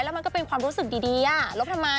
แล้วมันก็เป็นความรู้สึกดีลบทำไม